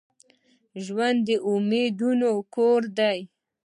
ژوند د امیدونو کور دي.